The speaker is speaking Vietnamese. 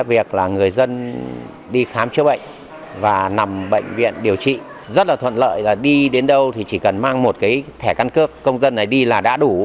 việc là người dân đi khám chữa bệnh và nằm bệnh viện điều trị rất là thuận lợi là đi đến đâu thì chỉ cần mang một cái thẻ căn cước công dân này đi là đã đủ